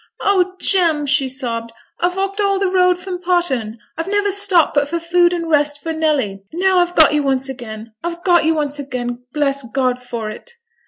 'Oh, Jem!' she sobbed, 'I've walked all the road from Potterne. I've never stopped but for food and rest for Nelly, and now I've got you once again, I've got you once again, bless God for it!'